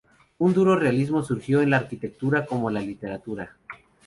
Un duro realismo surgió en la arquitectura como en la literatura.